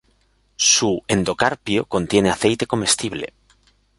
Su endocarpio contiene aceite comestible.